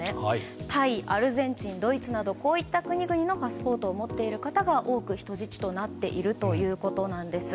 タイ、アルゼンチン、ドイツなどこういった国々のパスポートを持っている方々が多く人質となっているということです。